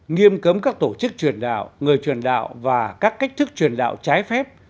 nghiêm cấm các tổ chức truyền đạo người truyền đạo và các cách thức truyền đạo trái phép